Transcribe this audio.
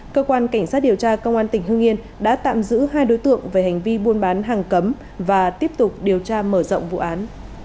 cơ quan cảnh sát điều tra công an tỉnh hương yên đã tạm giữ hai đối tượng về hành vi buôn bán hàng cấm và tiếp tục điều tra mở rộng vụ án